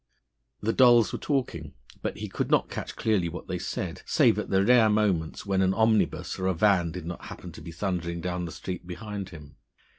The dolls were talking, but he could not catch clearly what they said, save at the rare moments when an omnibus or a van did not happen to be thundering down the street behind him.